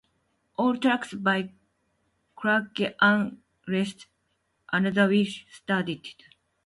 All tracks by Clarke unless otherwise stated.